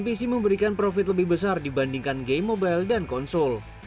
selain itu game pc memberikan profit lebih besar dibandingkan game mobile dan konsol